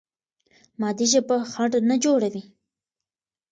مادي ژبه خنډ نه جوړوي.